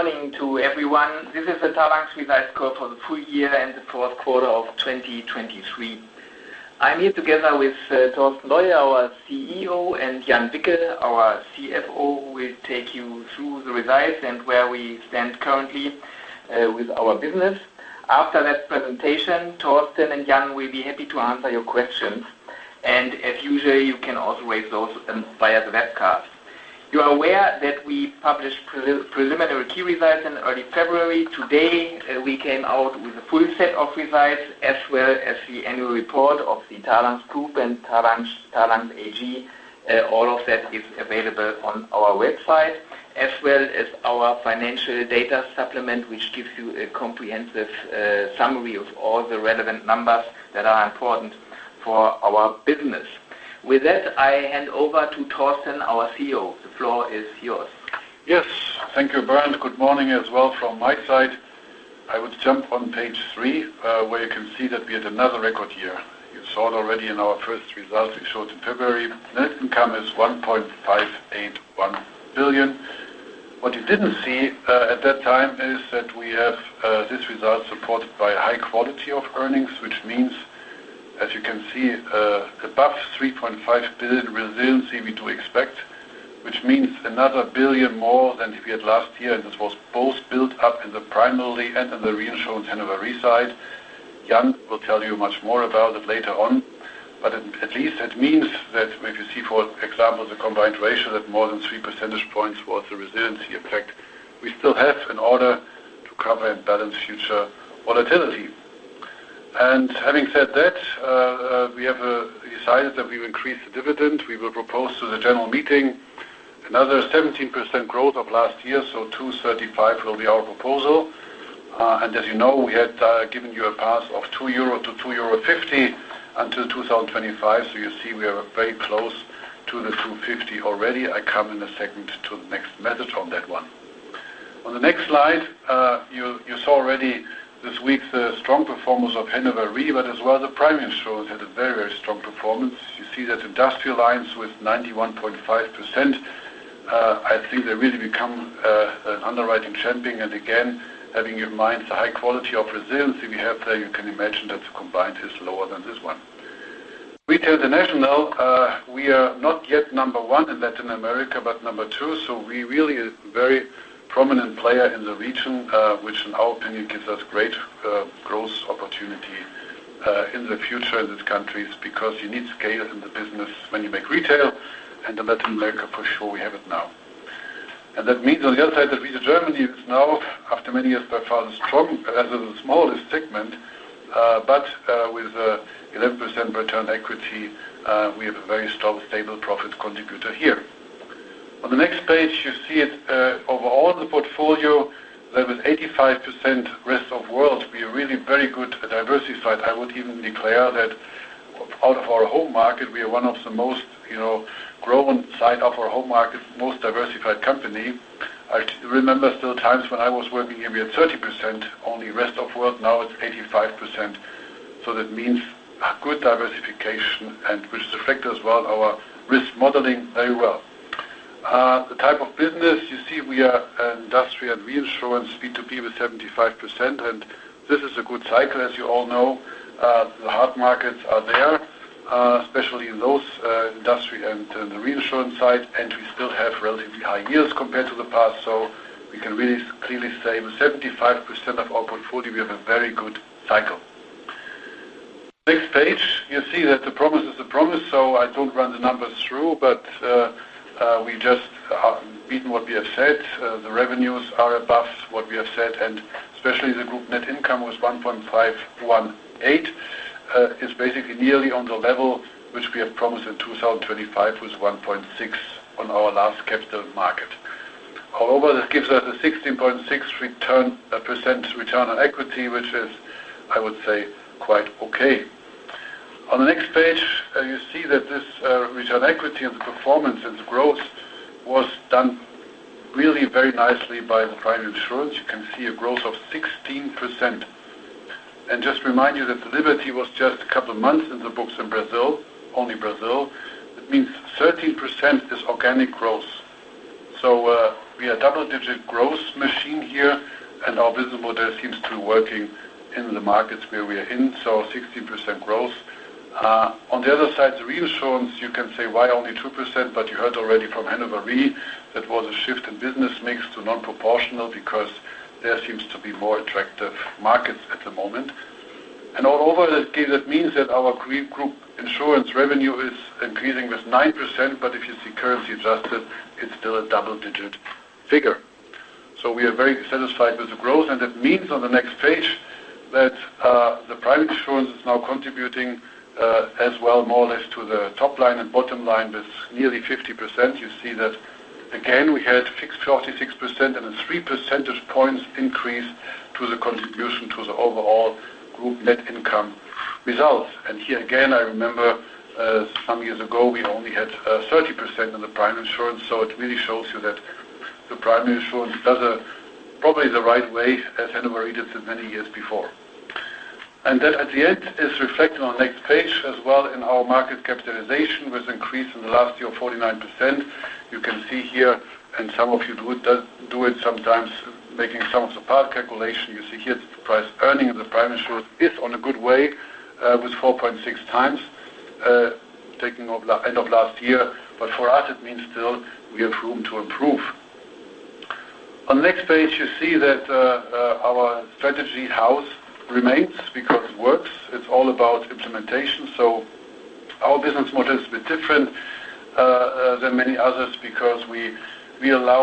Good morning to everyone. This is the Talanx Results Call for the Full Year and the Fourth Quarter of 2023. I'm here together with Torsten Leue, our CEO, and Jan Wicke, our CFO, who will take you through the results and where we stand currently with our business. After that presentation, Torsten and Jan will be happy to answer your questions. As usual, you can also raise those via the webcast. You are aware that we published preliminary key results in early February. Today, we came out with a full set of results as well as the annual report of the Talanx Group and Talanx AG. All of that is available on our website, as well as our financial data supplement, which gives you a comprehensive summary of all the relevant numbers that are important for our business. With that, I hand over to Torsten, our CEO. The floor is yours. Yes. Thank you, Bernd. Good morning as well from my side. I would jump on page 3, where you can see that we had another record year. You saw it already in our first results we showed in February. Net income is 1.581 billion. What you didn't see at that time is that we have this result supported by high quality of earnings, which means, as you can see, above 3.5 billion resiliency we do expect, which means another 1 billion more than we had last year. And this was both built up in the primary and in the reinsurance Hannover Re side. Jan will tell you much more about it later on. But at least it means that if you see, for example, the combined ratio, that more than 3 percentage points was the resiliency effect. We still have an order to cover and balance future volatility. Having said that, we have decided that we will increase the dividend. We will propose to the general meeting another 17% growth of last year. So 2.35 will be our proposal. And as you know, we had given you a pass of 2 euro to 2.50 euro until 2025. So you see, we are very close to the 2.50 already. I come in a second to the next message on that one. On the next slide, you saw already this week the strong performance of Hannover Re, but as well the primary insurance had a very, very strong performance. You see that Industrial Lines with 91.5%. I think they really become an underwriting champion. And again, having in mind the high quality of resiliency we have there, you can imagine that the combined is lower than this one. Retail International, we are not yet number one in Latin America, but number two. So we really are a very prominent player in the region, which, in our opinion, gives us great growth opportunity in the future in these countries because you need scale in the business when you make retail. And in Latin America, for sure, we have it now. And that means, on the other side, that Retail Germany is now, after many years, by far the smallest segment. But with 11% return equity, we have a very strong, stable profit contributor here. On the next page, you see it overall in the portfolio. There was 85% rest of world. We are really very good, diversified. I would even declare that out of our home market, we are one of the most grown side of our home market, most diversified company. I remember still times when I was working here, we had 30% only rest of world. Now it's 85%. So that means good diversification, which affects as well our risk modeling very well. The type of business, you see, we are an industrial and reinsurance B2B with 75%. And this is a good cycle, as you all know. The hard markets are there, especially in those industry and the reinsurance side. And we still have relatively high years compared to the past. So we can really clearly say with 75% of our portfolio, we have a very good cycle. Next page, you see that the promise is the promise. So I don't run the numbers through, but we just beaten what we have said. The revenues are above what we have said. And especially the group net income was 1.518 billion. It's basically nearly on the level which we have promised in 2025 with 1.6 on our last capital market. All over, this gives us a 16.6% return on equity, which is, I would say, quite okay. On the next page, you see that this return on equity and the performance and the growth was done really very nicely by the primary insurance. You can see a growth of 16%. And just remind you that the Liberty was just a couple of months in the books in Brazil, only Brazil. That means 13% is organic growth. So we are a double-digit growth machine here. And our business model seems to be working in the markets where we are in. So 16% growth. On the other side, the reinsurance, you can say, "Why only 2%?" But you heard already from Hannover Re that there was a shift in business mix to non-proportional because there seems to be more attractive markets at the moment. And all over, that means that our group insurance revenue is increasing with 9%. But if you see currency adjusted, it's still a double-digit figure. So we are very satisfied with the growth. And that means, on the next page, that the primary insurance is now contributing as well, more or less, to the top line and bottom line with nearly 50%. You see that, again, we had 46% and a 3 percentage points increase to the contribution to the overall group net income results. And here again, I remember some years ago, we only had 30% in the primary insurance. So it really shows you that the primary insurance does probably the right way as Hannover Re did many years before. And that, at the end, is reflected on the next page as well in our market capitalization with an increase in the last year of 49%. You can see here, and some of you do it sometimes, making some of the peer calculations. You see here, the price earnings of the primary insurance is on a good way with 4.6x taking over the end of last year. But for us, it means still we have room to improve. On the next page, you see that our strategy holds because it works. It's all about implementation. So our business model is a bit different than many others because we allow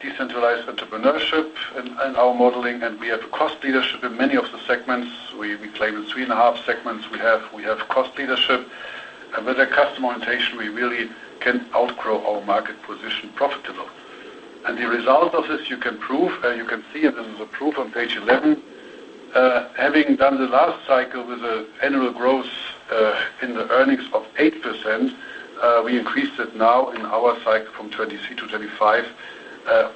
decentralized entrepreneurship in our modeling. And we have a cost leadership in many of the segments. We claim in 3.5 segments, we have cost leadership. With our customer orientation, we really can outgrow our market position profitable. The result of this, you can see, and this is a proof on page 11, having done the last cycle with an annual growth in the earnings of 8%, we increased it now in our cycle from 23-25.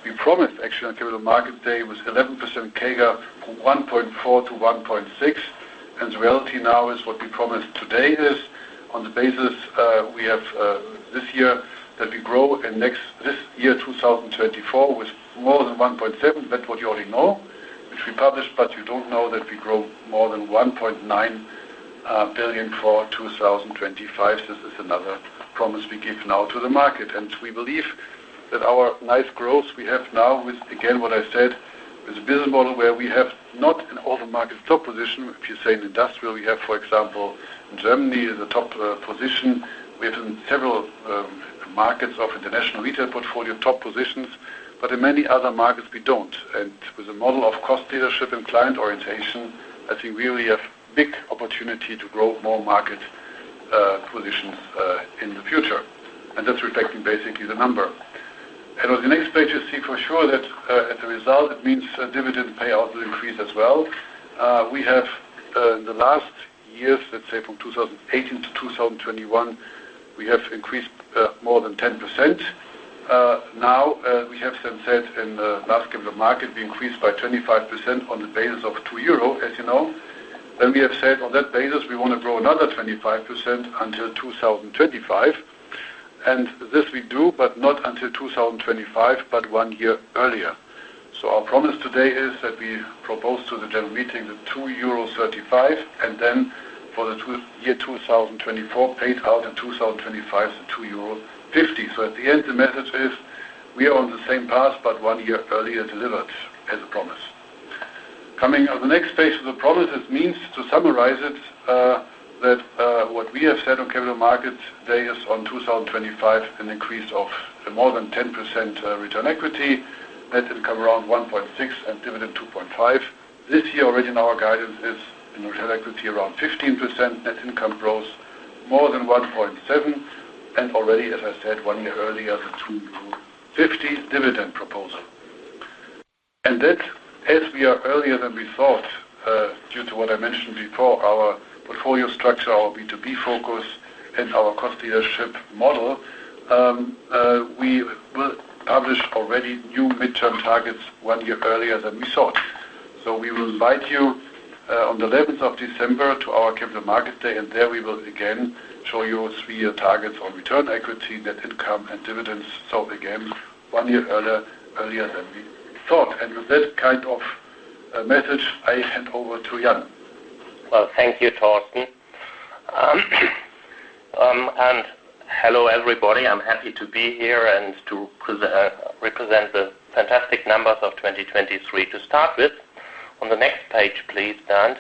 We promised, actually, on Capital Market Day with 11% CAGR from 1.4 billion-1.6 billion. The reality now is what we promised today is, on the basis we have this year, that we grow in this year, 2024, with more than 1.7 billion. That's what you already know, which we published. But you don't know that we grow more than 1.9 billion for 2025. This is another promise we give now to the market. We believe that our nice growth we have now with, again, what I said, with a business model where we have not an overmarket top position. If you say in industrial, we have, for example, in Germany, the top position. We have in several markets of international retail portfolio top positions. But in many other markets, we don't. And with a model of cost leadership and client orientation, I think we really have big opportunity to grow more market positions in the future. And that's reflecting, basically, the number. And on the next page, you see for sure that as a result, it means dividend payout will increase as well. We have, in the last years, let's say from 2018 to 2021, we have increased more than 10%. Now, we have since said in the last Capital Market Day, we increased by 25% on the basis of 2 euro, as you know. Then we have said, on that basis, we want to grow another 25% until 2025. And this we do, but not until 2025, but one year earlier. So our promise today is that we propose to the general meeting 2.35 euro. And then for the year 2024, paid out in 2025, 2.50 euro. So at the end, the message is we are on the same path, but one year earlier delivered, as a promise. Coming on the next page of the promise, it means, to summarize it, that what we have said on Capital Market Day is, on 2025, an increase of more than 10% ROE. Net income around 1.6 and dividend 2.5. This year, already in our guidance, is in return equity around 15%. Net income growth more than 1.7. And already, as I said, one year earlier, the 2.50 dividend proposal. And that, as we are earlier than we thought due to what I mentioned before, our portfolio structure, our B2B focus, and our cost leadership model, we will publish already new midterm targets one year earlier than we thought. So we will invite you on the 11th of December to our Capital Market Day. And there, we will, again, show you three-year targets on return equity, net income, and dividends. So again, one year earlier than we thought. And with that kind of message, I hand over to Jan. Well, thank you, Torsten. And hello, everybody. I'm happy to be here and to represent the fantastic numbers of 2023 to start with. On the next page, please, Bernd,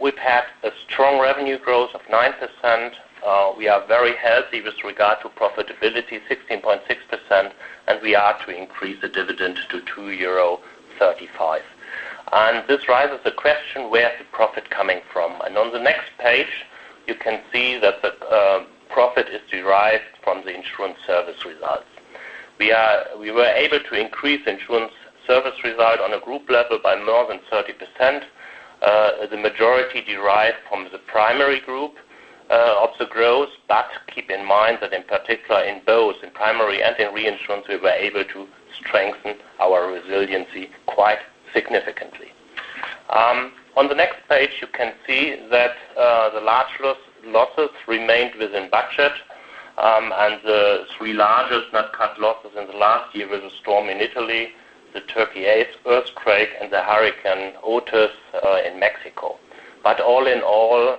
we've had a strong revenue growth of 9%. We are very healthy with regard to profitability, 16.6%. And we are to increase the dividend to 2.35 euro. And this raises the question, where's the profit coming from? And on the next page, you can see that the profit is derived from the insurance service results. We were able to increase insurance service result on a group level by more than 30%. The majority derived from the primary group of the growth. But keep in mind that, in particular, in both, in primary and in reinsurance, we were able to strengthen our resiliency quite significantly. On the next page, you can see that the large losses remained within budget. The three largest NatCat losses in the last year were the storm in Italy, the Turkey earthquake, and the hurricane Otis in Mexico. All in all,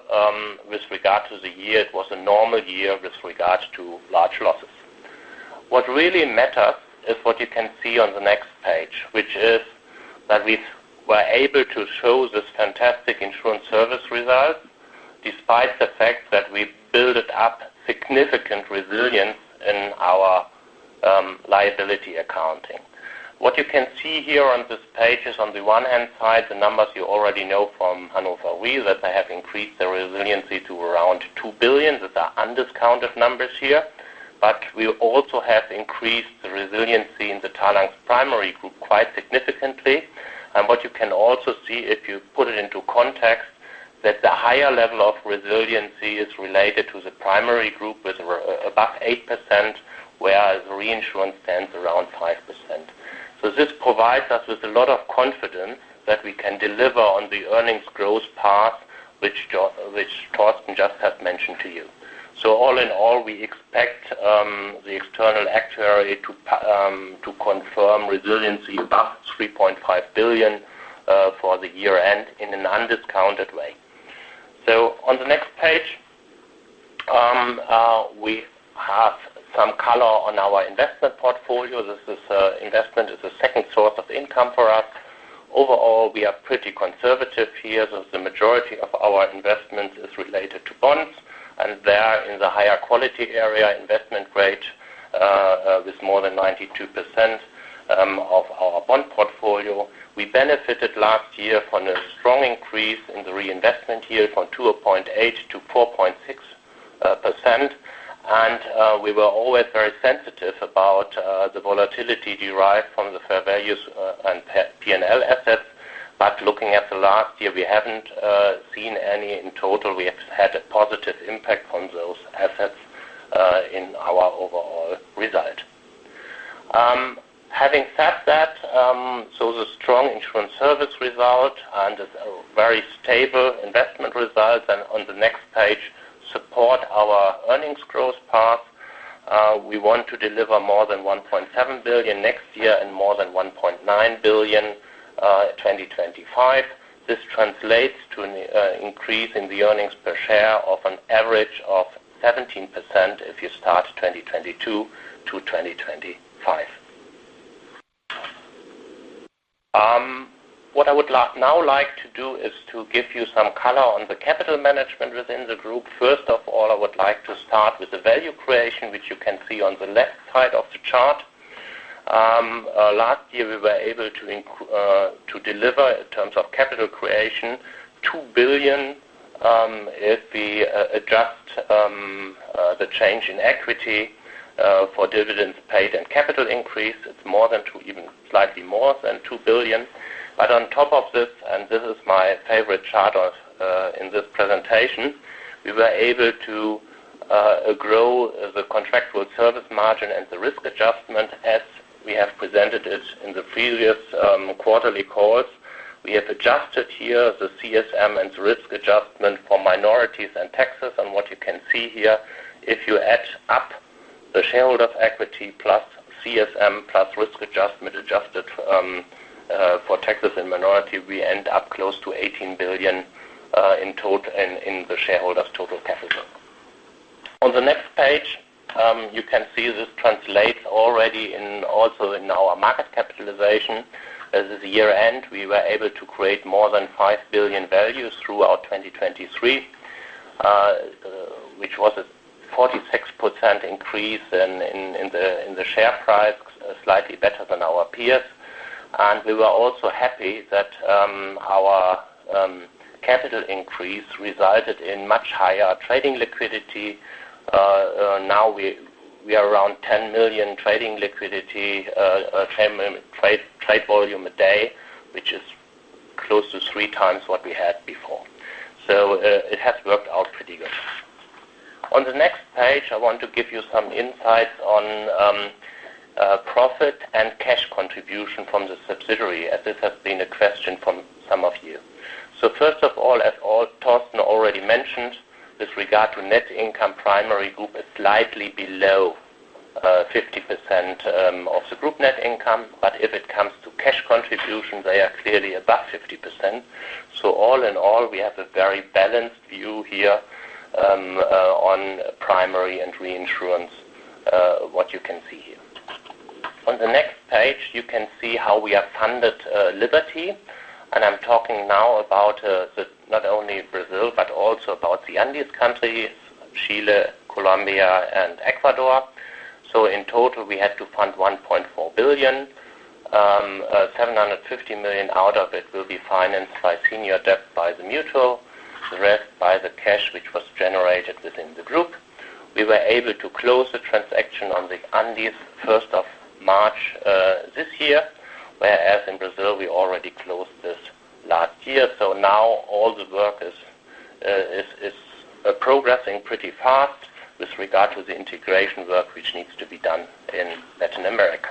with regard to the year, it was a normal year with regard to large losses. What really matters is what you can see on the next page, which is that we were able to show this fantastic insurance service result despite the fact that we built up significant resilience in our liability accounting. What you can see here on this page is, on the one hand side, the numbers you already know from Hannover Re that they have increased their resiliency to around 2 billion. These are undiscounted numbers here. But we also have increased the resiliency in the Talanx's primary group quite significantly. What you can also see, if you put it into context, that the higher level of resiliency is related to the primary group with above 8%, whereas reinsurance stands around 5%. So this provides us with a lot of confidence that we can deliver on the earnings growth path, which Torsten just has mentioned to you. So all in all, we expect the external actuary to confirm resiliency above 3.5 billion for the year-end in an undiscounted way. So on the next page, we have some color on our investment portfolio. This investment is a second source of income for us. Overall, we are pretty conservative here. So the majority of our investments is related to bonds. And there, in the higher quality area, investment rate with more than 92% of our bond portfolio, we benefited last year from a strong increase in the reinvestment yield from 2.8% to 4.6%. We were always very sensitive about the volatility derived from the fair values and P&L assets. But looking at the last year, we haven't seen any in total. We have had a positive impact on those assets in our overall result. Having said that, the strong insurance service result and a very stable investment result support our earnings growth path. We want to deliver more than 1.7 billion next year and more than 1.9 billion 2025. This translates to an increase in the earnings per share of an average of 17% if you start 2022 to 2025. What I would now like to do is to give you some color on the capital management within the group. First of all, I would like to start with the value creation, which you can see on the left side of the chart. Last year, we were able to deliver, in terms of capital creation, 2 billion if we adjust the change in equity for dividends paid and capital increase. It's more than 2, even slightly more than 2 billion. But on top of this - and this is my favorite chart in this presentation - we were able to grow the contractual service margin and the risk adjustment as we have presented it in the previous quarterly calls. We have adjusted here the CSM and the risk adjustment for minorities and taxes. What you can see here, if you add up the shareholders' equity plus CSM plus risk adjustment adjusted for taxes and minority, we end up close to 18 billion in the shareholders' total capital. On the next page, you can see this translates already also in our market capitalization. At the year-end, we were able to create more than 5 billion value throughout 2023, which was a 46% increase in the share price, slightly better than our peers. We were also happy that our capital increase resulted in much higher trading liquidity. Now, we are around 10 million trading liquidity, trade volume a day, which is close to 3 times what we had before. It has worked out pretty good. On the next page, I want to give you some insights on profit and cash contribution from the subsidiary, as this has been a question from some of you. So first of all, as Torsten already mentioned, with regard to net income, primary group is slightly below 50% of the group net income. But if it comes to cash contribution, they are clearly above 50%. So all in all, we have a very balanced view here on primary and reinsurance, what you can see here. On the next page, you can see how we have funded Liberty. And I'm talking now about not only Brazil but also about the Andes countries, Chile, Colombia, and Ecuador. So in total, we had to fund 1.4 billion. 750 million out of it will be financed by senior debt by the mutual, the rest by the cash which was generated within the group. We were able to close the transaction in the Andes on the 1st of March this year, whereas in Brazil, we already closed this last year. So now, all the work is progressing pretty fast with regard to the integration work which needs to be done in Latin America.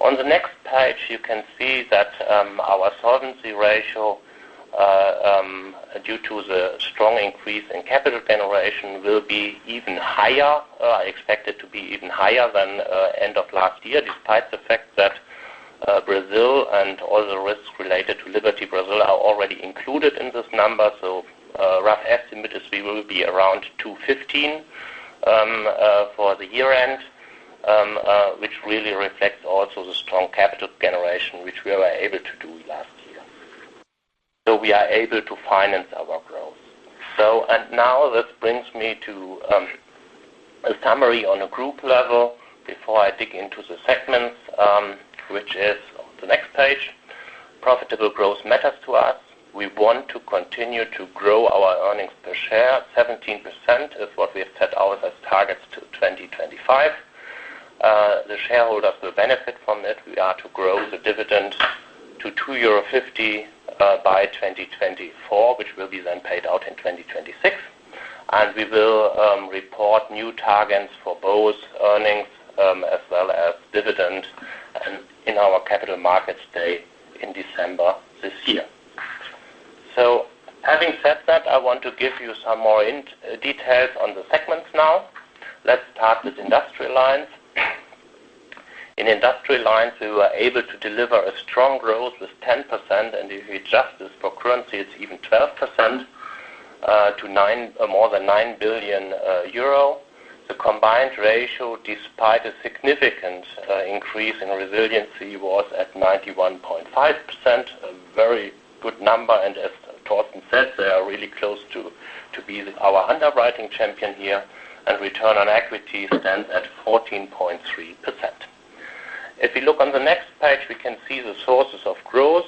On the next page, you can see that our solvency ratio due to the strong increase in capital generation will be even higher. I expect it to be even higher than end of last year despite the fact that Brazil and all the risks related to Liberty Brazil are already included in this number. So rough estimate is we will be around 215 for the year-end, which really reflects also the strong capital generation which we were able to do last year. So we are able to finance our growth. And now, this brings me to a summary on a group level before I dig into the segments, which is on the next page. Profitable growth matters to us. We want to continue to grow our earnings per share. 17% is what we have set out as targets to 2025. The shareholders will benefit from it. We are to grow the dividend to 2.50 euro by 2024, which will be then paid out in 2026. And we will report new targets for both earnings as well as dividend in our Capital Markets Day in December this year. So having said that, I want to give you some more details on the segments now. Let's start with Industrial Lines. In Industrial Lines, we were able to deliver a strong growth with 10%. And if you adjust this for currency, it's even 12% to more than 9 billion euro. The Combined Ratio, despite a significant increase in resiliency, was at 91.5%, a very good number. And as Torsten said, they are really close to being our underwriting champion here. And Return on Equity stands at 14.3%. If we look on the next page, we can see the sources of growth,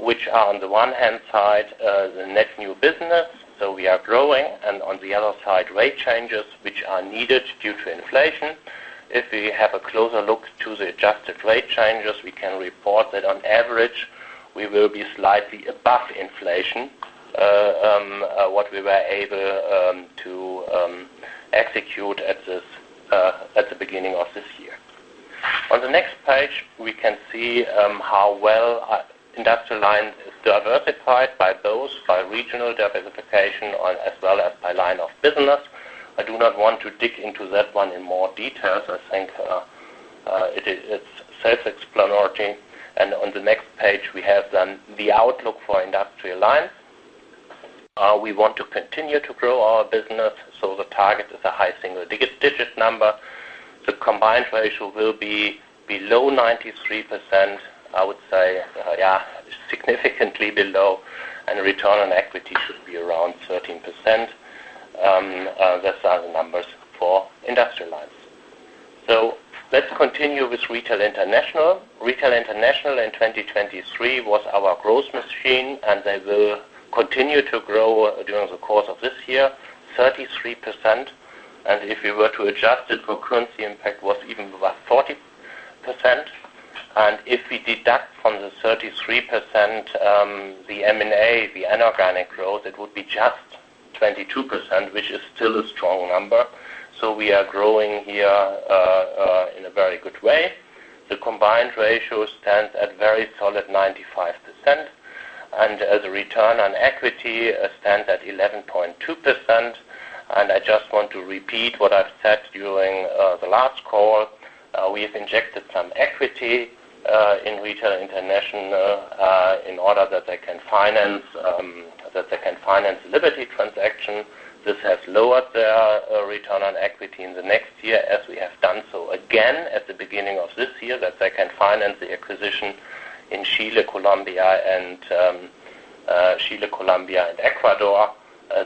which are on the one hand side, the net new business. So we are growing. And on the other side, rate changes, which are needed due to inflation. If we have a closer look to the adjusted rate changes, we can report that, on average, we will be slightly above inflation, what we were able to execute at the beginning of this year. On the next page, we can see how well Industrial Lines is diversified by both, by regional diversification as well as by line of business. I do not want to dig into that one in more details. I think it's self-explanatory. On the next page, we have then the outlook for Industrial Lines. We want to continue to grow our business. The target is a high single-digit number. The Combined Ratio will be below 93%, I would say. Yeah, significantly below. Return on Equity should be around 13%. These are the numbers for Industrial Lines. Let's continue with Retail International. Retail International in 2023 was our growth machine. They will continue to grow during the course of this year, 33%. If we were to adjust it for currency impact, it was even above 40%. If we deduct from the 33% the M&A, the inorganic growth, it would be just 22%, which is still a strong number. We are growing here in a very good way. The combined ratio stands at very solid 95%. The return on equity stands at 11.2%. I just want to repeat what I've said during the last call. We have injected some equity in Retail International in order that they can finance that they can finance Liberty transaction. This has lowered their return on equity in the next year as we have done so again at the beginning of this year, that they can finance the acquisition in Chile, Colombia, and Chile, Colombia, and Ecuador.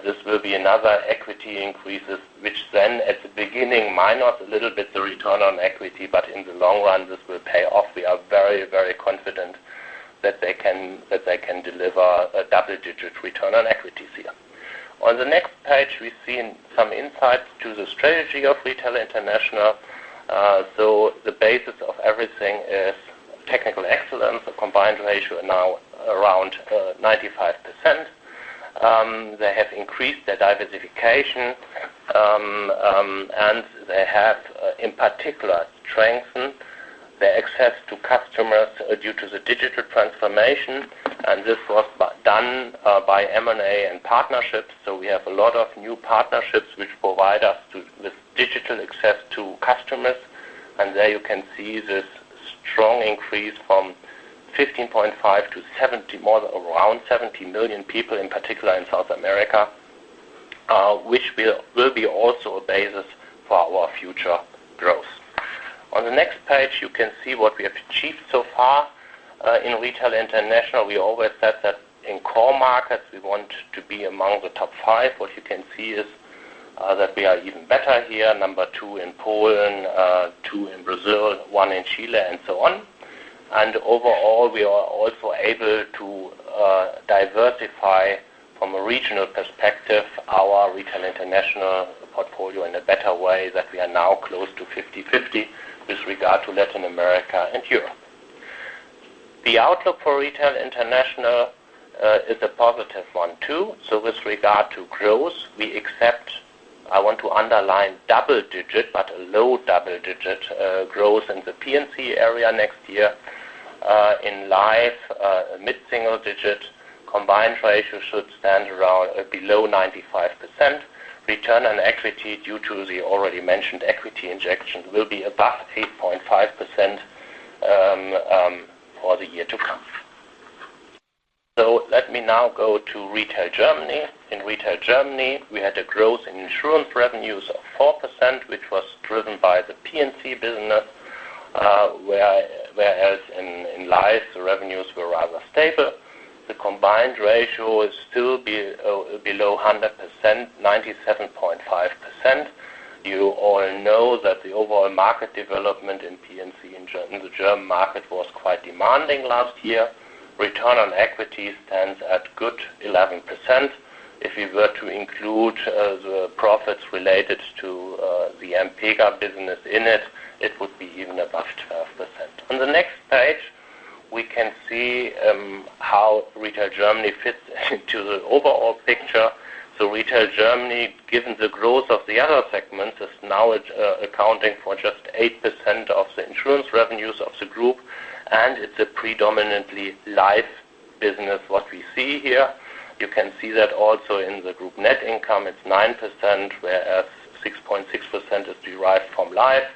This will be another equity increase, which then, at the beginning, minus a little bit the return on equity. But in the long run, this will pay off. We are very, very confident that they can deliver a double-digit return on equities here. On the next page, we've seen some insights to the strategy of Retail International. So the basis of everything is technical excellence, a Combined Ratio now around 95%. They have increased their diversification. And they have, in particular, strengthened their access to customers due to the digital transformation. And this was done by M&A and partnerships. So we have a lot of new partnerships which provide us with digital access to customers. And there, you can see this strong increase from 15.5 to around 70 million people, in particular, in South America, which will be also a basis for our future growth. On the next page, you can see what we have achieved so far in Retail International. We always said that, in core markets, we want to be among the top five. What you can see is that we are even better here, number two in Poland, two in Brazil, one in Chile, and so on. Overall, we are also able to diversify, from a regional perspective, our Retail International portfolio in a better way than we are now close to 50/50 with regard to Latin America and Europe. The outlook for Retail International is a positive one too. With regard to growth, we expect I want to underline double-digit but a low double-digit growth in the P&C area next year. In Life, a mid-single-digit combined ratio should stand around below 95%. Return on equity due to the already mentioned equity injection will be above 8.5% for the year to come. Let me now go to Retail Germany. In Retail Germany, we had a growth in insurance revenues of 4%, which was driven by the P&C business, whereas in Life, the revenues were rather stable. The combined ratio is still below 100%, 97.5%. You all know that the overall market development in P&C in the German market was quite demanding last year. Return on equity stands at good 11%. If we were to include the profits related to the Ampega business in it, it would be even above 12%. On the next page, we can see how Retail Germany fits into the overall picture. So Retail Germany, given the growth of the other segments, is now accounting for just 8% of the insurance revenues of the group. And it's a predominantly life business, what we see here. You can see that also in the group net income. It's 9%, whereas 6.6% is derived from life.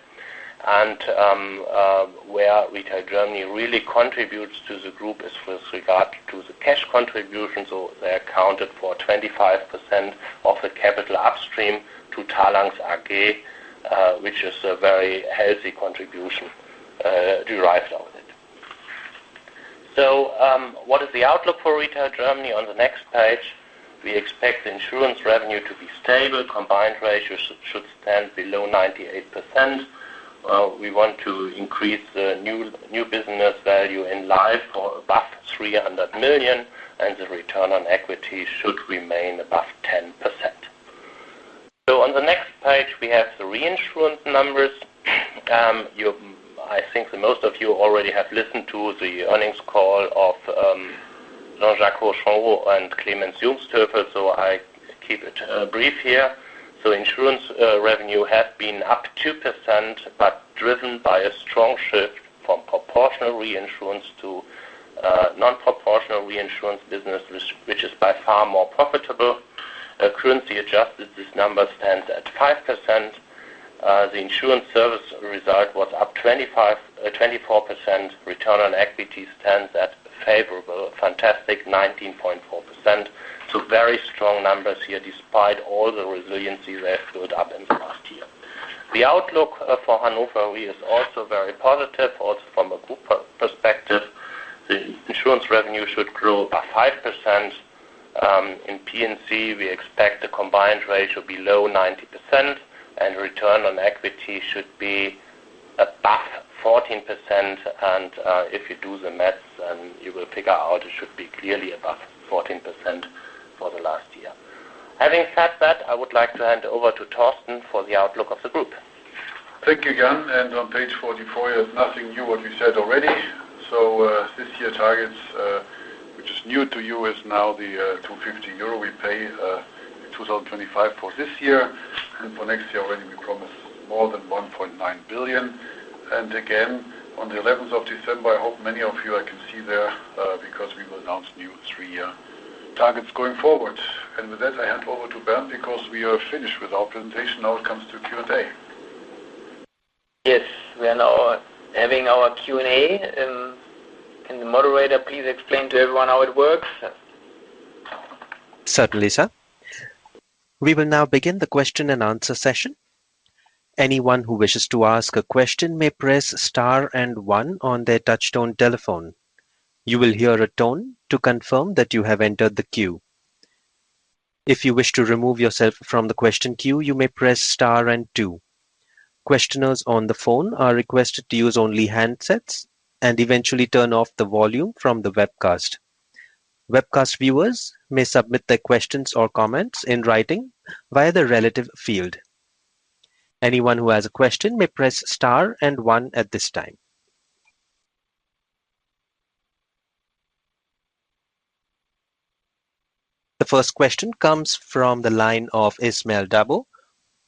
And where Retail Germany really contributes to the group is with regard to the cash contribution. So they accounted for 25% of the capital upstream to Talanx AG, which is a very healthy contribution derived out of it. So what is the outlook for Retail Germany? On the next page, we expect the insurance revenue to be stable. Combined Ratio should stand below 98%. We want to increase the new business value in life for above 300 million. And the Return on Equity should remain above 10%. So on the next page, we have the reinsurance numbers. I think most of you already have listened to the earnings call of Jean-Jacques Henchoz and Clemens Jungsthöfel. So I keep it brief here. So insurance revenue has been up 2% but driven by a strong shift from proportional reinsurance to non-proportional reinsurance business, which is by far more profitable. Currency-adjusted, this number stands at 5%. The insurance service result was up 24%. Return on Equity stands at favorable, fantastic, 19.4%. So very strong numbers here despite all the resiliency they've built up in the last year. The outlook for Hannover is also very positive, also from a group perspective. The insurance revenue should grow about 5%. In P&C, we expect the combined ratio to be low 90%. Return on equity should be above 14%. If you do the math, then you will figure out it should be clearly above 14% for the last year. Having said that, I would like to hand over to Torsten for the outlook of the group. Thank you, Jan. On page 44, you have nothing new, what you said already. This year targets, which is new to you, is now the 250 euro we pay in 2025 for this year. For next year already, we promised more than 1.9 billion. Again, on the 11th of December, I hope many of you can see there because we will announce new three-year targets going forward. With that, I hand over to Bernd because we are finished with our presentation. Now, it comes to Q&A. Yes. We are now having our Q&A. Can the moderator please explain to everyone how it works? Certainly, sir. We will now begin the question-and-answer session. Anyone who wishes to ask a question may press star and one on their touch-tone telephone. You will hear a tone to confirm that you have entered the queue. If you wish to remove yourself from the question queue, you may press star and two. Questioners on the phone are requested to use only handsets and eventually turn off the volume from the webcast. Webcast viewers may submit their questions or comments in writing via the relevant field. Anyone who has a question may press star and one at this time. The first question comes from the line of Ismail Dabo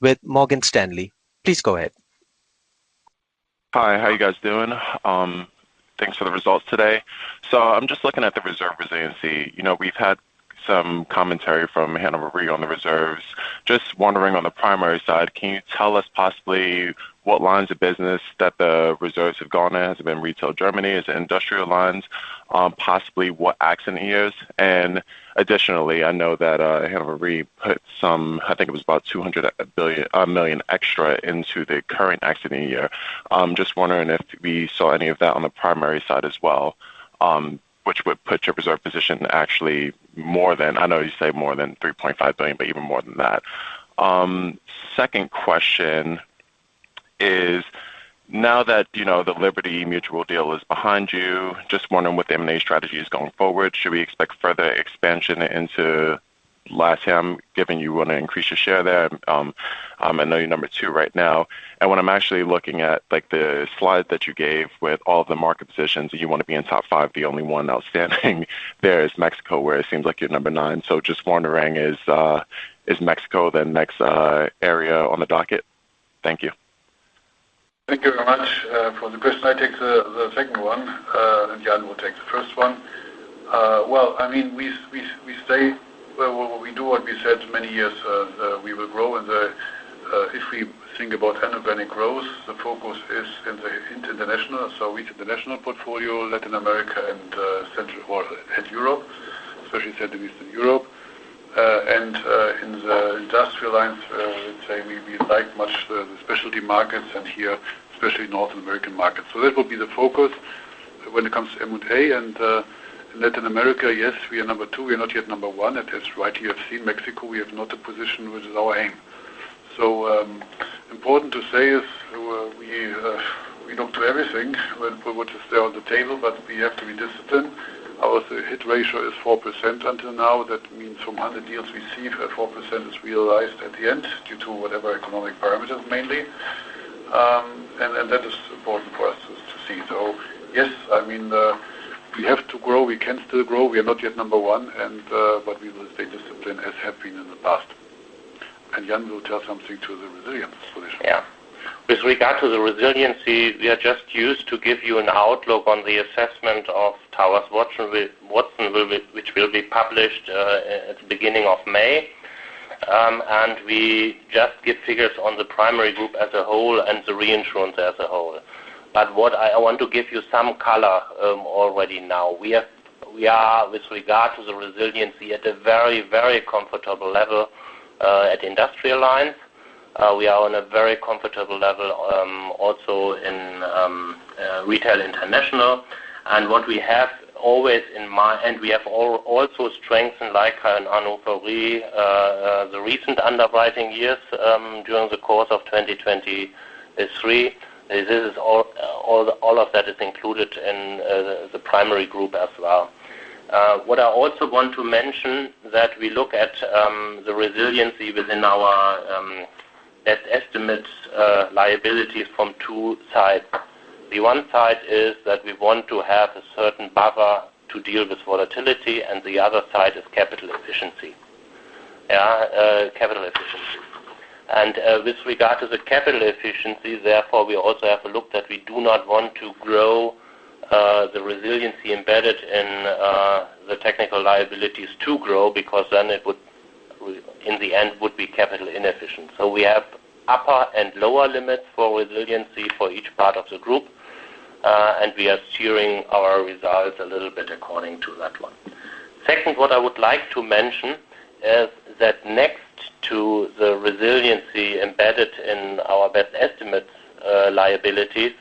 with Morgan Stanley. Please go ahead. Hi. How are you guys doing? Thanks for the results today. So I'm just looking at the reserve resiliency. We've had some commentary from Hannover Re on the reserves. Just wondering, on the primary side, can you tell us possibly what lines of business that the reserves have gone in? Has it been Retail Germany? Is it Industrial Lines? Possibly, what accident years? And additionally, I know that Hannover Re put some I think it was about 200 million extra into the current accident year. Just wondering if we saw any of that on the primary side as well, which would put your reserve position actually more than I know you say more than 3.5 billion but even more than that. Second question is, now that the Liberty Mutual deal is behind you, just wondering what the M&A strategy is going forward. Should we expect further expansion into LatAm, given you want to increase your share there? I know you're number two right now. When I'm actually looking at the slide that you gave with all of the market positions, you want to be in top five. The only one outstanding there is Mexico, where it seems like you're number nine. Just wondering, is Mexico the next area on the docket? Thank you. Thank you very much for the question. I take the second one. And Jan will take the first one. Well, I mean, we stay we do what we said many years. We will grow. And if we think about inorganic growth, the focus is in the international. So Retail International portfolio, Latin America and Central and Eastern Europe, especially Central and Eastern Europe. And in the Industrial Lines, let's say, maybe like much the specialty markets and here, especially North American markets. So that would be the focus when it comes to M&A. And in Latin America, yes, we are number two. We are not yet number one. At least right here, you have seen Mexico. We have not a position which is our aim. So important to say is, we look to everything which is there on the table, but we have to be disciplined. Our hit ratio is 4% until now. That means, from 100 deals received, 4% is realized at the end due to whatever economic parameters, mainly. That is important for us to see. Yes, I mean, we have to grow. We can still grow. We are not yet number one. We will stay disciplined as have been in the past. Jan will tell something to the resilience position. Yeah. With regard to the resiliency, we are just used to give you an outlook on the assessment of Willis Towers Watson, which will be published at the beginning of May. And we just give figures on the primary group as a whole and the reinsurance as a whole. But I want to give you some color already now. We are, with regard to the resiliency, at a very, very comfortable level at Industrial Lines. We are on a very comfortable level also in Retail International. And what we have always in mind and we have also strengthened, like Hannover Re, the recent underwriting years during the course of 2023. All of that is included in the primary group as a whole. What I also want to mention is that we look at the resiliency within our estimated liabilities from two sides. The one side is that we want to have a certain buffer to deal with volatility. And the other side is capital efficiency, yeah, capital efficiency. And with regard to the capital efficiency, therefore, we also have a look that we do not want to grow the resiliency embedded in the technical liabilities to grow because then, in the end, would be capital inefficient. So we have upper and lower limits for resiliency for each part of the group. And we are steering our results a little bit according to that one. Second, what I would like to mention is that, next to the resiliency embedded in our best estimates liabilities,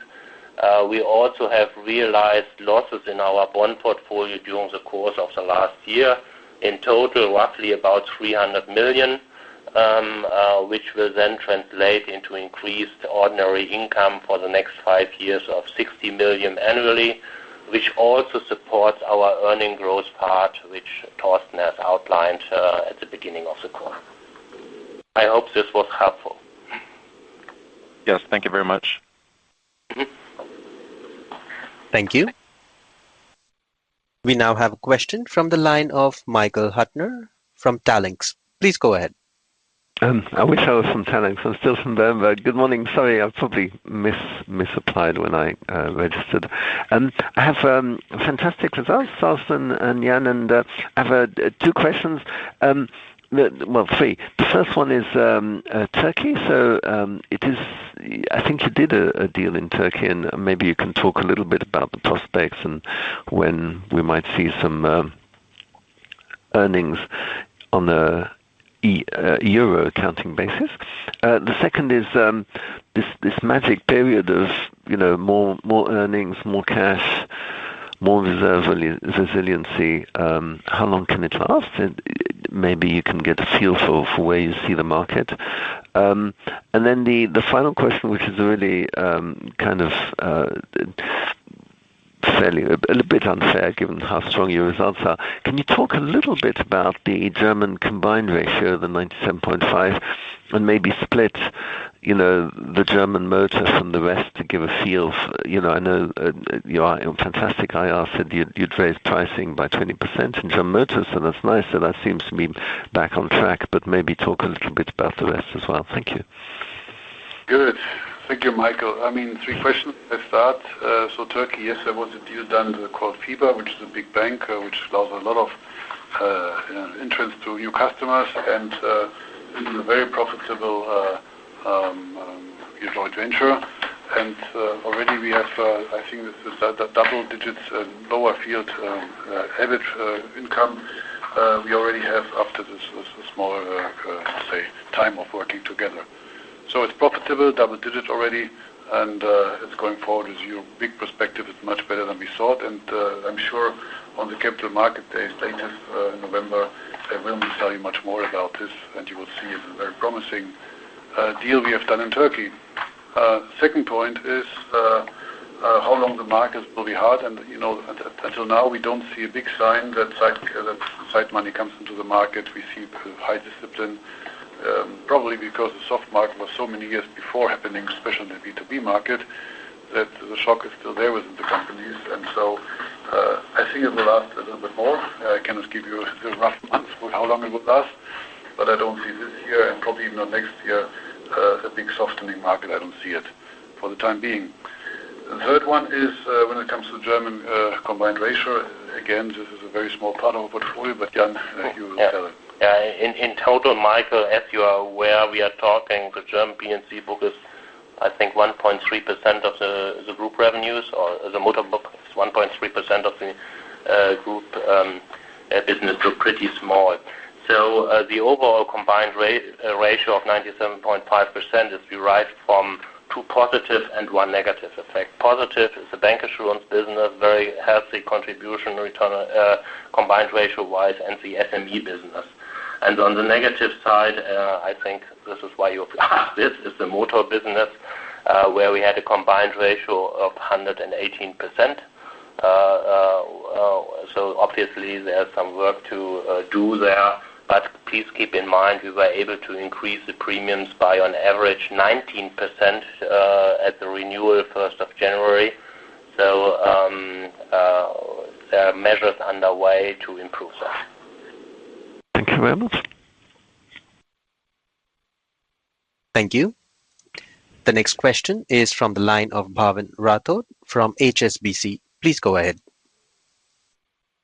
we also have realized losses in our bond portfolio during the course of the last year, in total, roughly about 300 million, which will then translate into increased ordinary income for the next 5 years of 60 million annually, which also supports our earnings growth part, which Torsten has outlined at the beginning of the call. I hope this was helpful. Yes. Thank you very much. Thank you. We now have a question from the line of Michael Huttner from Berenberg. Please go ahead. I wish I was from Talanx. I'm still from Berenberg. But good morning. Sorry, I probably misapplied when I registered. I have fantastic results, Torsten and Jan. And I have two questions, well, three. The first one is Turkey. So I think you did a deal in Turkey. And maybe you can talk a little bit about the prospects and when we might see some earnings on a euro accounting basis. The second is, this magic period of more earnings, more cash, more reserve resiliency, how long can it last? Maybe you can get a feel for where you see the market. And then the final question, which is really kind of fairly a little bit unfair given how strong your results are, can you talk a little bit about the German combined ratio, the 97.5%, and maybe split the German motor from the rest to give a feel? I know you are fantastic. IR said you'd raise pricing by 20% in German motors. So that's nice. So that seems to be back on track. But maybe talk a little bit about the rest as well. Thank you. Good. Thank you, Michael. I mean, three questions to start. So Turkey, yes, there was a deal done called Fiba, which is a big bank, which closed a lot of entrance to new customers. And this is a very profitable joint venture. And already, we have, I think, this is a double-digit lower field average income we already have after this small, say, time of working together. So it's profitable, double-digit already. And it's going forward. Your big perspective is much better than we thought. And I'm sure, on the capital market days later in November, I will tell you much more about this. And you will see it's a very promising deal we have done in Turkey. Second point is, how long the markets will be hard? And until now, we don't see a big sign that side money comes into the market. We see high discipline, probably because the soft market was so many years before happening, especially in the B2B market, that the shock is still there within the companies. And so I think it will last a little bit more. I cannot give you the rough months for how long it will last. But I don't see this year and probably not next year a big softening market. I don't see it for the time being. The third one is, when it comes to German combined ratio, again, this is a very small part of our portfolio. But Jan, you will tell it. Yeah. In total, Michael, as you are aware, we are talking the German P&C book is, I think, 1.3% of the group revenues. Or the motor book is 1.3% of the group business. So pretty small. So the overall combined ratio of 97.5% is derived from two positive and one negative effect. Positive is the bancassurance business, very healthy contribution combined ratio-wise, and the SME business. And on the negative side, I think this is why this is the motor business, where we had a combined ratio of 118%. So obviously, there's some work to do there. But please keep in mind, we were able to increase the premiums by, on average, 19% at the renewal first of January. So there are measures underway to improve that. Thank you very much. Thank you. The next question is from the line of Bhavin Rathod from HSBC. Please go ahead.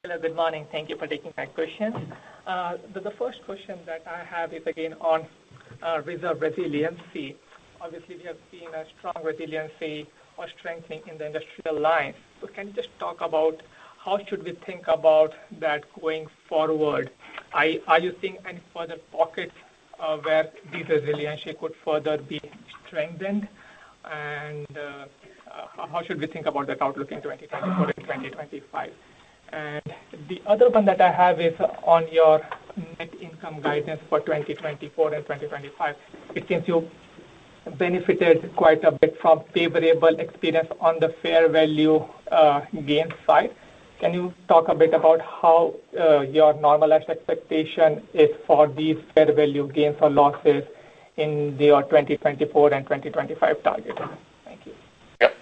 Hello. Good morning. Thank you for taking my question. The first question that I have is, again, on reserve resiliency. Obviously, we have seen a strong resiliency or strengthening in the Industrial Lines. So can you just talk about how should we think about that going forward? Are you seeing any further pockets where this resiliency could further be strengthened? And how should we think about that outlook in 2024 and 2025? And the other one that I have is on your net income guidance for 2024 and 2025. It seems you benefited quite a bit from favorable experience on the fair value gains side. Can you talk a bit about how your normalized expectation is for these fair value gains or losses in your 2024 and 2025 targets? Thank you. Yep.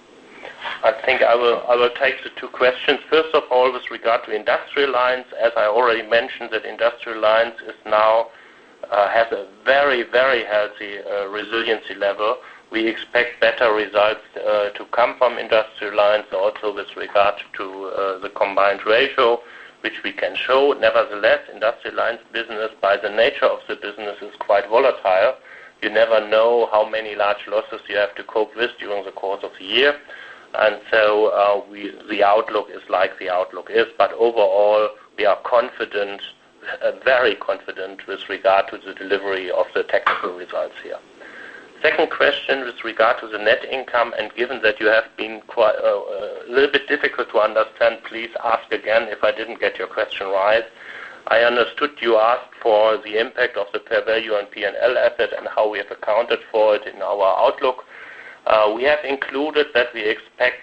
I think I will take the two questions. First of all, with regard to Industrial Lines, as I already mentioned, that Industrial Lines has a very, very healthy resiliency level. We expect better results to come from Industrial Lines, also with regard to the combined ratio, which we can show. Nevertheless, Industrial Lines business, by the nature of the business, is quite volatile. You never know how many large losses you have to cope with during the course of the year. And so the outlook is like the outlook is. But overall, we are confident, very confident, with regard to the delivery of the technical results here. Second question, with regard to the net income. And given that you have been a little bit difficult to understand, please ask again if I didn't get your question right. I understood you asked for the impact of the fair value on P&L asset and how we have accounted for it in our outlook. We have included that we expect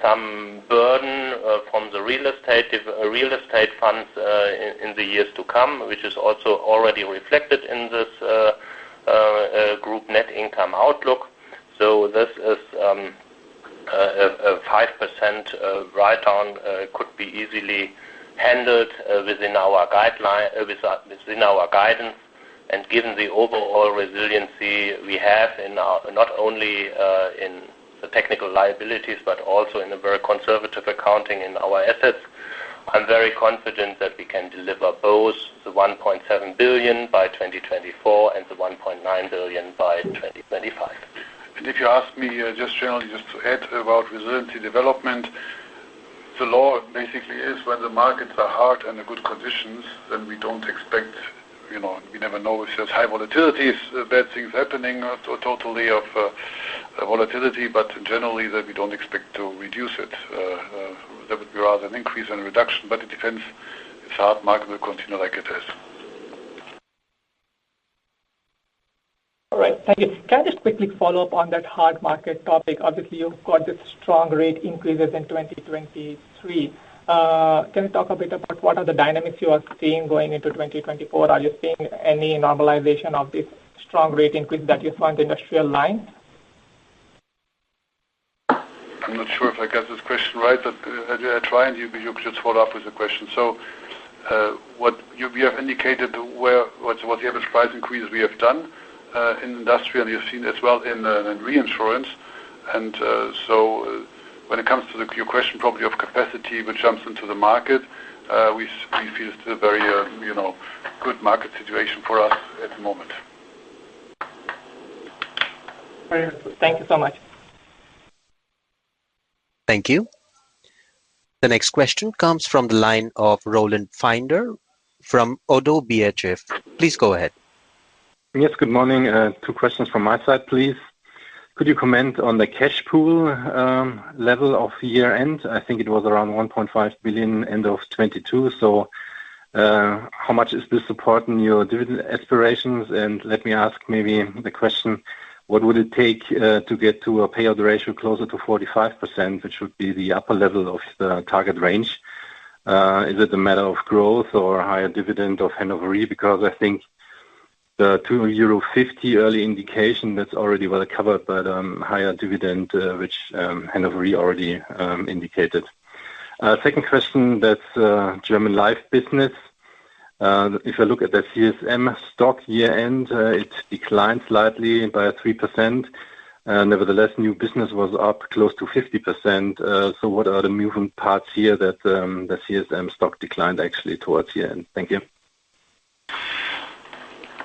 some burden from the real estate funds in the years to come, which is also already reflected in this group net income outlook. So this is a 5% write-down. It could be easily handled within our guidance. Given the overall resiliency we have, not only in the technical liabilities but also in a very conservative accounting in our assets, I'm very confident that we can deliver both the 1.7 billion by 2024 and the 1.9 billion by 2025. If you ask me just generally, just to add about resiliency development, the law basically is, when the markets are hard and in good conditions, then we don't expect. We never know if there's high volatilities, bad things happening, totality of volatility. Generally, we don't expect to reduce it. That would be rather an increase and reduction. It depends. It's hard market. We'll continue like it is. All right. Thank you. Can I just quickly follow up on that hard market topic? Obviously, you've got this strong rate increases in 2023. Can you talk a bit about what are the dynamics you are seeing going into 2024? Are you seeing any normalization of this strong rate increase that you saw in the Industrial Lines? I'm not sure if I got this question right. But had I tried, you could just follow up with the question. So we have indicated what the average price increase we have done in Industrial. And you've seen it as well in Reinsurance. And so when it comes to your question, probably of capacity, which jumps into the market, we feel it's still a very good market situation for us at the moment. Very good. Thank you so much. Thank you. The next question comes from the line of Roland Pfänder from ODDO BHF. Please go ahead. Yes. Good morning. Two questions from my side, please. Could you comment on the cash pool level of year-end? I think it was around 1.5 billion end of 2022. So how much is this supporting your dividend aspirations? And let me ask maybe the question, what would it take to get to a payout ratio closer to 45%, which would be the upper level of the target range? Is it a matter of growth or higher dividend of Hannover Re? Because I think the 2.50 euro early indication, that's already well covered. But higher dividend, which Hannover Re already indicated. Second question, that's German life business. If I look at the CSM stock year-end, it declined slightly by 3%. Nevertheless, new business was up close to 50%. So what are the moving parts here that the CSM stock declined actually towards year-end? Thank you.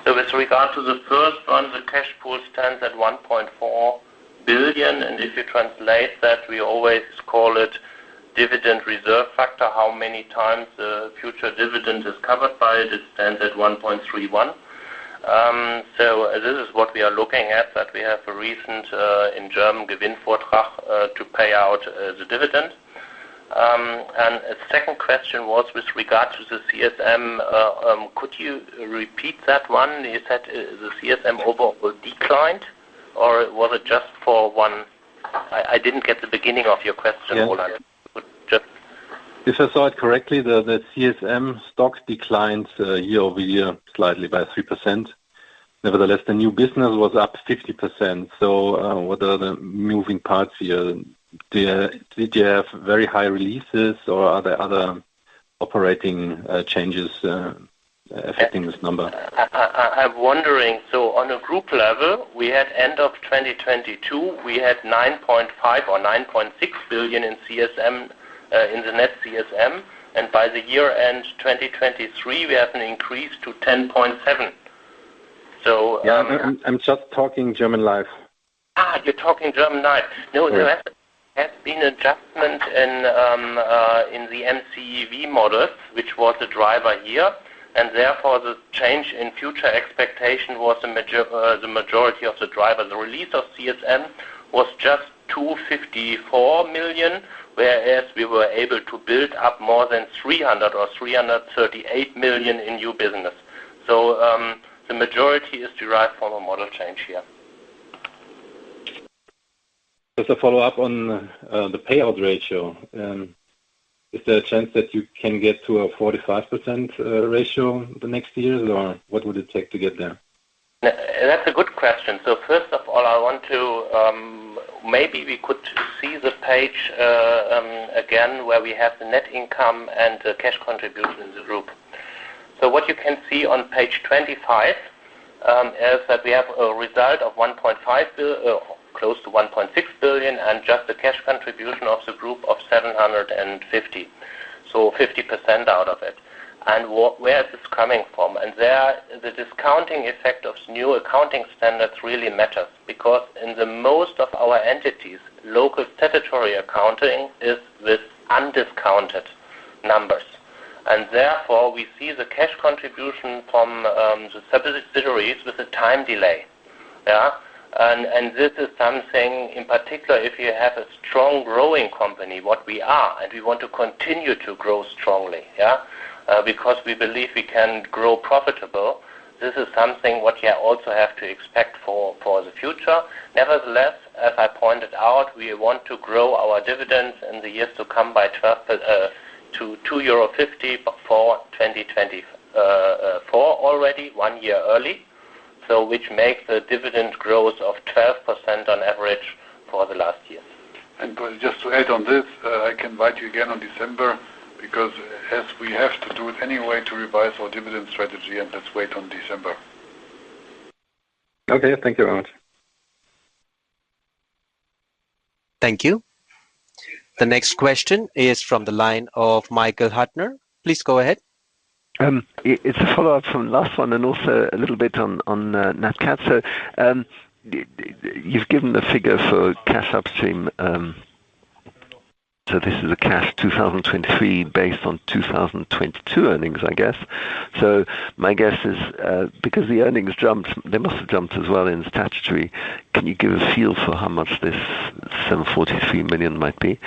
So with regard to the first one, the cash pool stands at 1.4 billion. And if you translate that, we always call it dividend reserve factor. How many times the future dividend is covered by it, it stands at 1.31. So this is what we are looking at, that we have a recent, in German, Gewinnvortrag to pay out the dividend. And the second question was, with regard to the CSM, could you repeat that one? You said the CSM overall declined. Or was it just for one? I didn't get the beginning of your question, Roland. Could just. If I saw it correctly, the CSM stock declines year-over-year slightly by 3%. Nevertheless, the new business was up 50%. So what are the moving parts here? Did you have very high releases? Or are there other operating changes affecting this number? I'm wondering. So on a group level, we had end of 2022, we had 9.5 billion or 9.6 billion in CSM, in the net CSM. By the year-end 2023, we have an increase to 10.7 billion. So. Yeah. I'm just talking German life. You're talking German life. No, there has been an adjustment in the MCEV models, which was a driver here. And therefore, the change in future expectation was the majority of the driver. The release of CSM was just 254 million, whereas we were able to build up more than 300 million or 338 million in new business. So the majority is derived from a model change here. Just a follow-up on the payout ratio. Is there a chance that you can get to a 45% ratio the next years? Or what would it take to get there? That's a good question. So first of all, I want to maybe we could see the page again where we have the net income and the cash contribution in the group. So what you can see on page 25 is that we have a result of 1.5 billion, close to 1.6 billion, and just the cash contribution of the group of 750 million, so 50% out of it. And where is this coming from? And there, the discounting effect of new accounting standards really matters because, in most of our entities, local territory accounting is with undiscounted numbers. And therefore, we see the cash contribution from the subsidiaries with a time delay. Yeah? And this is something, in particular, if you have a strong growing company, what we are. And we want to continue to grow strongly, yeah, because we believe we can grow profitable. This is something what you also have to expect for the future. Nevertheless, as I pointed out, we want to grow our dividends in the years to come by 2.50 euro for 2024 already, one year early, which makes the dividend growth of 12% on average for the last year. Just to add on this, I can invite you again on December because we have to do it anyway to revise our dividend strategy. Let's wait on December. Okay. Thank you very much. Thank you. The next question is from the line of Michael Huttner. Please go ahead. It's a follow-up from the last one and also a little bit on NatCat. So you've given the figure for cash upstream. So this is a cash 2023 based on 2022 earnings, I guess. So my guess is, because the earnings jumped, they must have jumped as well in the statutory. Can you give a feel for how much this 743 million might be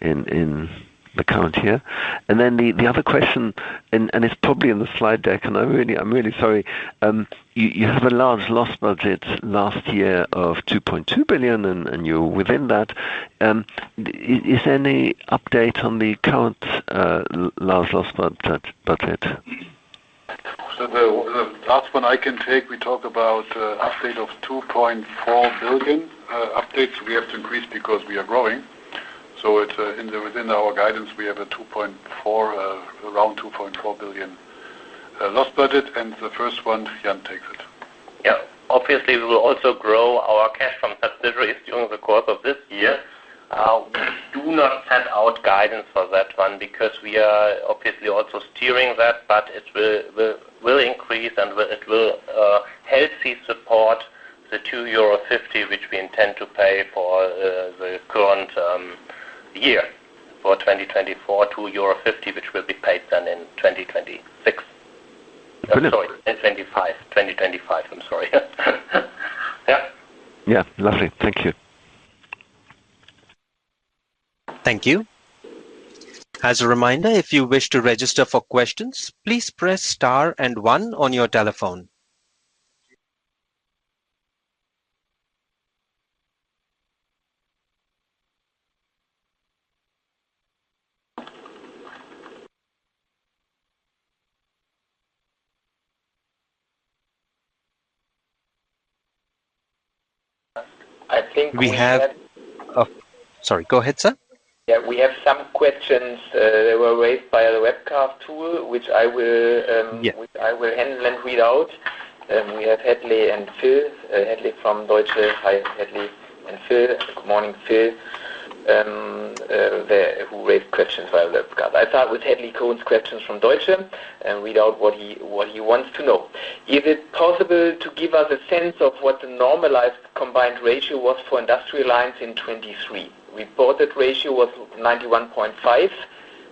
in the current year? And then the other question, and it's probably in the slide deck, and I'm really sorry, you have a large loss budget last year of 2.2 billion. And you're within that. Is there any update on the current large loss budget? So the last one I can take, we talk about update of 2.4 billion. Updates, we have to increase because we are growing. So within our guidance, we have a 2.4, around 2.4 billion loss budget. And the first one, Jan takes it. Yeah. Obviously, we will also grow our cash from subsidiaries during the course of this year. We do not set out guidance for that one because we are obviously also steering that. But it will increase. It will healthy support the 2.50 euro, which we intend to pay for the current year for 2024, euro 2.50, which will be paid then in 2026. Sorry, 2025. 2025. I'm sorry. Yeah. Yeah. Lovely. Thank you. Thank you. As a reminder, if you wish to register for questions, please press star and 1 on your telephone. I think we have. Sorry. Go ahead, sir. Yeah. We have some questions that were raised by the webcast tool, which I will handle and read out. We have Hadley and Phil. Hadley from Deutsche. Hi, Hadley and Phil. Good morning, Phil, who raised questions via webcast. I start with Hadley Cohen's questions from Deutsche and read out what he wants to know. Is it possible to give us a sense of what the normalized combined ratio was for Industrial Lines in 2023? Reported ratio was 91.5.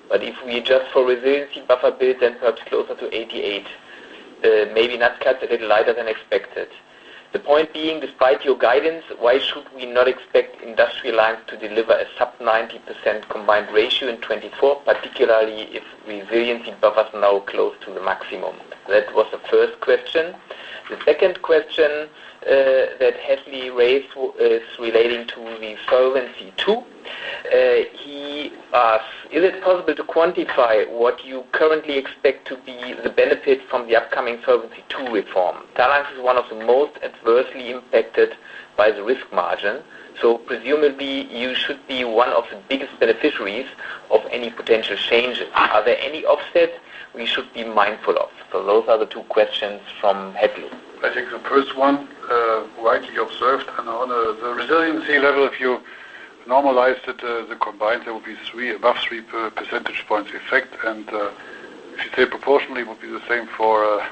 But if we adjust for resiliency buffer build, then perhaps closer to 88. Maybe NetCat's a little lighter than expected. The point being, despite your guidance, why should we not expect Industrial Lines to deliver a sub-90% combined ratio in 2024, particularly if resiliency buffer's now close to the maximum? That was the first question. The second question that Hadley raised is relating to the Solvency II. He asks, is it possible to quantify what you currently expect to be the benefit from the upcoming Solvency II reform? Talanx is one of the most adversely impacted by the risk margin. So presumably, you should be one of the biggest beneficiaries of any potential changes. Are there any offsets we should be mindful of? So those are the two questions from Hadley. I think the first one, rightly observed. On the resiliency level, if you normalized it, the combined, there would be above 3 percentage points effect. If you say proportionally, it would be the same for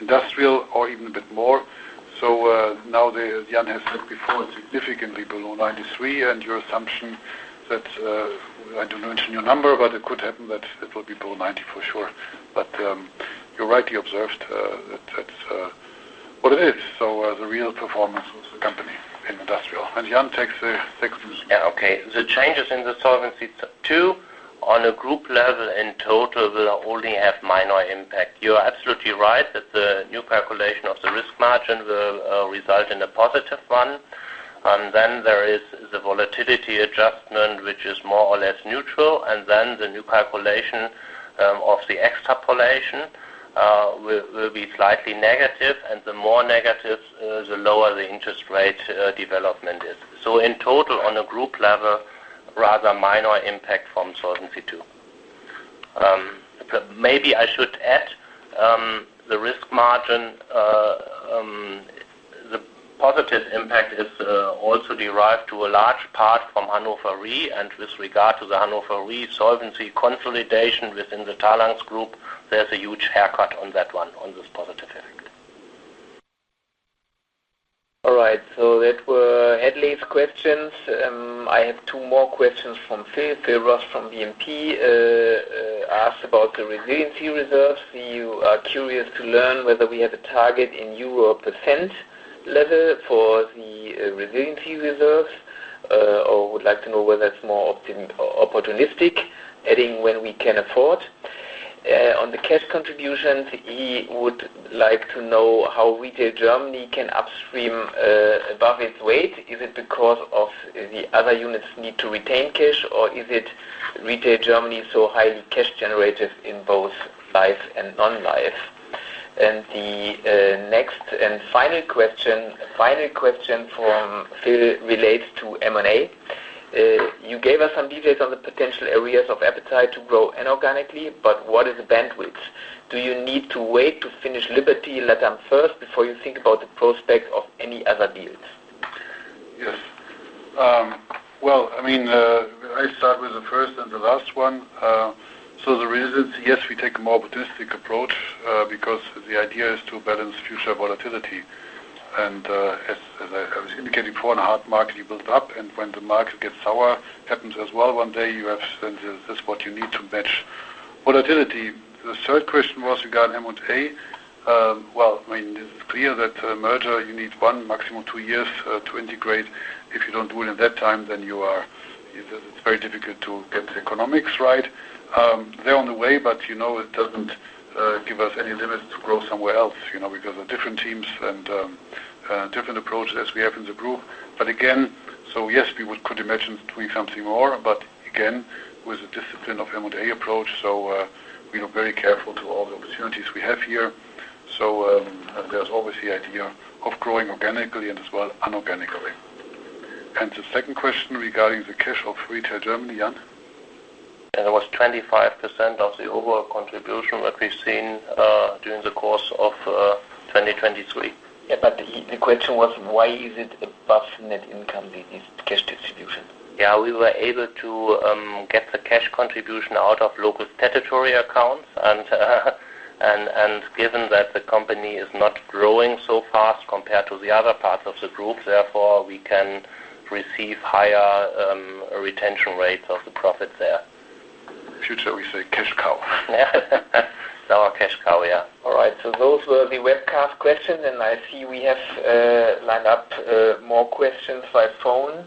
industrial or even a bit more. So now, Jan has said before, it's significantly below 93. Your assumption that I didn't mention your number. But it could happen that it will be below 90 for sure. But you're rightly observed that that's what it is. So the real performance of the company in industrial. Jan takes the second. Yeah. Okay. The changes in the Solvency II, on a group level in total, will only have minor impact. You're absolutely right that the new calculation of the risk margin will result in a positive one. And then there is the volatility adjustment, which is more or less neutral. And then the new calculation of the extrapolation will be slightly negative. And the more negative, the lower the interest rate development is. So in total, on a group level, rather minor impact from Solvency II. Maybe I should add the risk margin. The positive impact is also derived to a large part from Hannover Re. And with regard to the Hannover Re solvency consolidation within the Talanx group, there's a huge haircut on that one, on this positive effect. All right. So that were Hadley's questions. I have two more questions from Phil. Phil Ross from BNP asked about the resiliency reserves. We are curious to learn whether we have a target in euro percent level for the resiliency reserves or would like to know whether it's more opportunistic, adding when we can afford. On the cash contributions, he would like to know how Retail Germany can upstream above its weight. Is it because of the other units need to retain cash? Or is it Retail Germany so highly cash-generative in both life and non-life? And the next and final question, final question from Phil, relates to M&A. You gave us some details on the potential areas of appetite to grow inorganically. But what is the bandwidth? Do you need to wait to finish Liberty and LatAm first before you think about the prospect of any other deals? Yes. Well, I mean, I start with the first and the last one. So the resiliency, yes, we take a more opportunistic approach because the idea is to balance future volatility. And as I was indicating before, in a hard market, you build up. And when the market gets sour, it happens as well. One day, you have. And this is what you need to match volatility. The third question was regarding M&A. Well, I mean, it's clear that a merger, you need one, maximum two years to integrate. If you don't do it in that time, then it's very difficult to get the economics right. They're on the way. But it doesn't give us any limits to grow somewhere else because of different teams and different approaches as we have in the group. But again, so yes, we could imagine doing something more. But again, with the discipline of M&A approach, so we look very careful to all the opportunities we have here. So there's always the idea of growing organically and as well inorganically. And the second question regarding the cash of Retail Germany, Jan? It was 25% of the overall contribution that we've seen during the course of 2023. Yeah. But the question was, why is it above net income, this cash distribution? Yeah. We were able to get the cash contribution out of local territory accounts. Given that the company is not growing so fast compared to the other parts of the group, therefore, we can receive higher retention rates of the profits there. Future, we say cash cow. Our cash cow, yeah. All right. So those were the webcast questions. And I see we have lined up more questions by phone.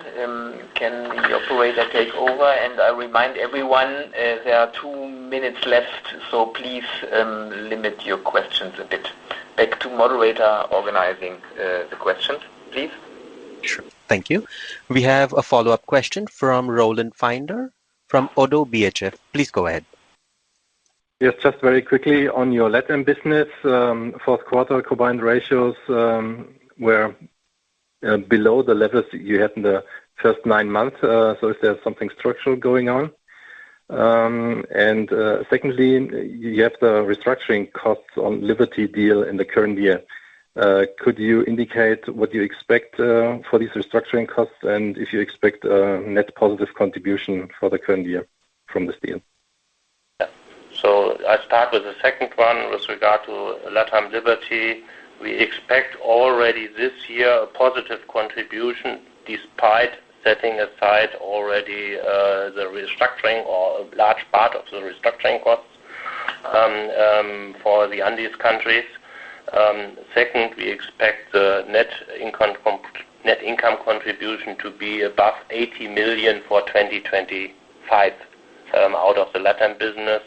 Can the operator take over? And I remind everyone, there are two minutes left. So please limit your questions a bit. Back to moderator organizing the questions, please. Sure. Thank you. We have a follow-up question from Roland Pfänder from ODDO BHF. Please go ahead. Yes. Just very quickly, on your LatAm business, fourth quarter combined ratios were below the levels you had in the first nine months. So is there something structural going on? And secondly, you have the restructuring costs on Liberty deal in the current year. Could you indicate what you expect for these restructuring costs and if you expect a net positive contribution for the current year from this deal? Yeah. So I start with the second one with regard to LatAm Liberty. We expect already this year a positive contribution despite setting aside already the restructuring or a large part of the restructuring costs for the Andes countries. Second, we expect the net income contribution to be above 80 million for 2025 out of the LatAm business.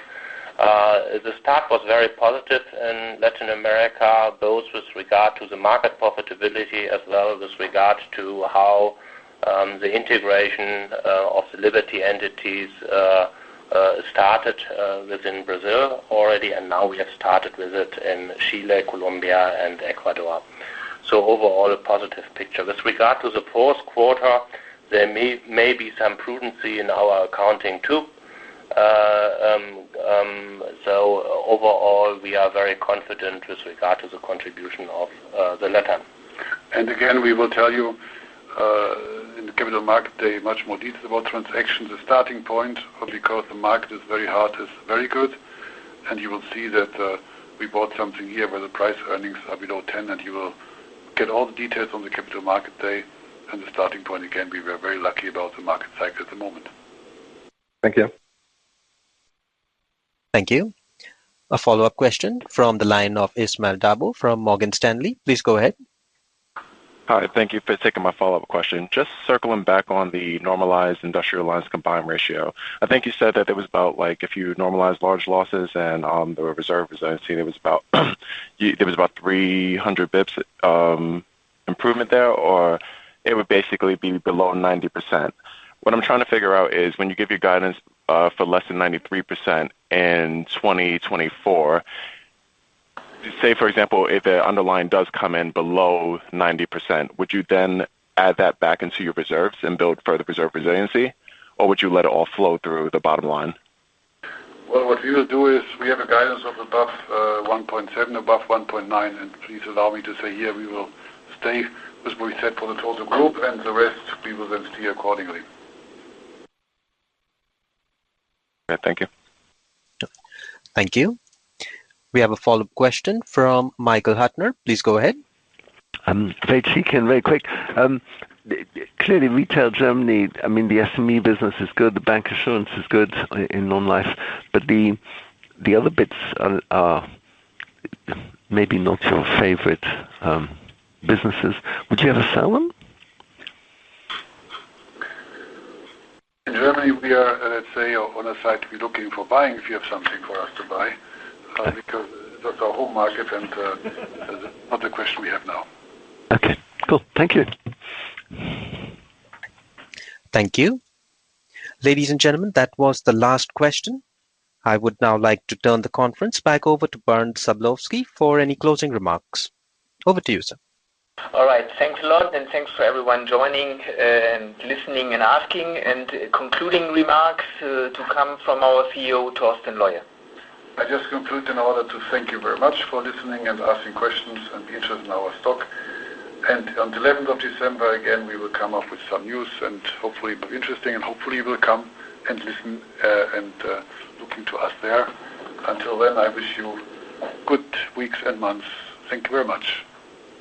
The start was very positive in Latin America, both with regard to the market profitability as well with regard to how the integration of the Liberty entities started within Brazil already. And now, we have started with it in Chile, Colombia, and Ecuador. So overall, a positive picture. With regard to the fourth quarter, there may be some prudency in our accounting too. So overall, we are very confident with regard to the contribution of the LatAm. And again, we will tell you in the capital market day much more details about transactions, the starting point, because the market is very hard, is very good. You will see that we bought something here where the price earnings are below 10. You will get all the details on the capital market day. The starting point, again, we were very lucky about the market cycle at the moment. Thank you. Thank you. A follow-up question from the line of Ishmael Dabo from Morgan Stanley. Please go ahead. Hi. Thank you for taking my follow-up question. Just circling back on the normalized Industrial Lines Combined Ratio, I think you said that it was about if you normalized Large Losses and the reserve resiliency, there was about 300 basis points improvement there. Or it would basically be below 90%. What I'm trying to figure out is, when you give your guidance for less than 93% in 2024, say, for example, if the underlying does come in below 90%, would you then add that back into your reserves and build further reserve resiliency? Or would you let it all flow through the bottom line? Well, what we will do is, we have a guidance of above 1.7, above 1.9. Please allow me to say here, we will stay with what we said for the total group. The rest, we will then steer accordingly. Yeah. Thank you. Thank you. We have a follow-up question from Michael Huttner. Please go ahead. I'll keep it very quick. Clearly, Retail Germany, I mean, the SME business is good. The bancassurance is good in non-life. But the other bits are maybe not your favorite businesses. Would you ever sell them? In Germany, we are, let's say, on a side to be looking for buying if you have something for us to buy because that's our home market. That's not the question we have now. Okay. Cool. Thank you. Thank you. Ladies and gentlemen, that was the last question. I would now like to turn the conference back over to Bernd Sablowsky for any closing remarks. Over to you, sir. All right. Thanks a lot. Thanks to everyone joining and listening and asking. Concluding remarks to come from our CEO, Torsten Leue. I just conclude in order to thank you very much for listening and asking questions and be interested in our stock. On the 11th of December, again, we will come up with some news. Hopefully, it will be interesting. Hopefully, you will come and listen and look into us there. Until then, I wish you good weeks and months. Thank you very much.